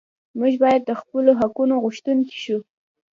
موږ باید د خپلو حقونو غوښتونکي شو.